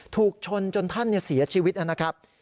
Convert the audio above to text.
ถูกชนจนท่านเสียชีวิตนะครับ